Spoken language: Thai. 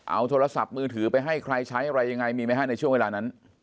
เอาโทรศัพท์มือถือไปให้ใครใช้อะไรยังไงมีไหมฮะในช่วงเวลานั้น